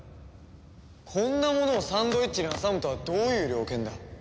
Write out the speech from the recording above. こんなものをサンドイッチに挟むとはどういう了見だ？